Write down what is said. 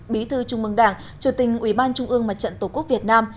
bí thư trung mương đảng chủ tình ủy ban trung ương mặt trận tổ quốc việt nam